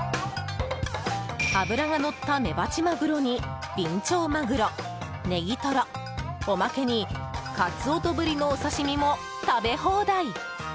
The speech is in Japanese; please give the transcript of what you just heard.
脂がのったメバチマグロにビンチョウマグロ、ネギトロおまけにカツオとブリのお刺し身も食べ放題！